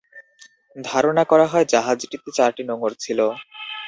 ধারণা করা হয়, জাহাজটিতে চারটি নোঙ্গর ছিল।